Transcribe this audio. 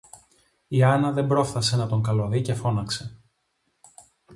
Η Άννα δεν πρόφθασε να τον καλοδεί και φώναξε: